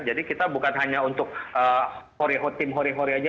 jadi kita bukan hanya untuk tim hori hori aja